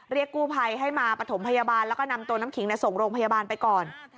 กู้ภัยให้มาปฐมพยาบาลแล้วก็นำตัวน้ำขิงส่งโรงพยาบาลไปก่อน